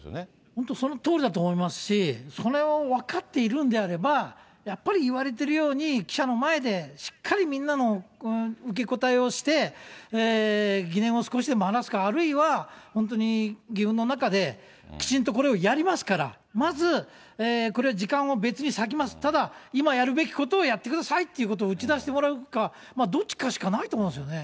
本当、そのとおりだと思いますし、それを分かっているんであれば、やっぱり言われてるように、記者の前でしっかり、みんなの受け答えをして、疑念を少しでも晴らすか、あるいは、本当に議運の中で、きちんとこれをやりますから、まずこれを時間を別に割きます、ただ、今やるべきことをやってくださいってことを打ち出してもらうか、どっちかしないと思うんですよね。